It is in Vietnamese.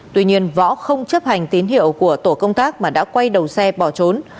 tuy nhiên võ không chấp hành tín hiệu của tổ công tác mà đã quay đầu xe bỏ trốn